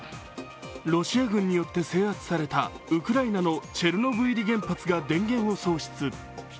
ロシア軍によって制圧されたウクライナのチェルノブイリ原発が電源を喪失。